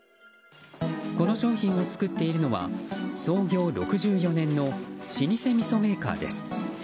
この商品を作っているのは創業６４年の老舗みそメーカーです。